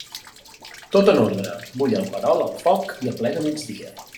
Tot en ordre, bull el perol al foc i aplega migdia.